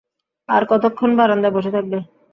আর কতক্ষণ বারান্দায় বসে থাকবে?